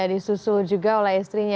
ini dia disusul juga oleh istrinya ya